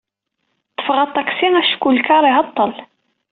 Ṭṭfeɣ aṭaksi acku lkar iɛeṭṭel.